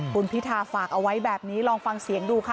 คุณพิธาฝากเอาไว้แบบนี้ลองฟังเสียงดูค่ะ